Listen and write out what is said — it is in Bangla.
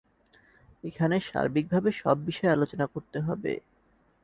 এখানে সার্বিকভাবে সব বিষয় আলোচনা করতে হবে।